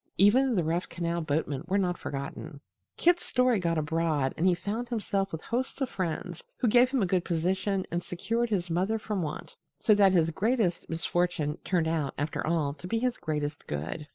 Even the rough canal boatmen were not forgotten. Kit's story got abroad and he found himself with hosts of friends, who gave him a good position and secured his mother from want. So that his greatest misfortune turned out, after all, to be his greatest good.